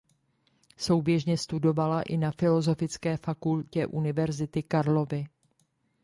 Souběžně studovala i na Filosofické fakultě University Karlovy.